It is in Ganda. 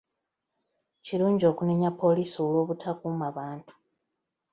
Kirungi okunenya poliisi olw'obutakuuma bantu.